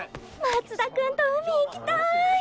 松田君と海行きたい。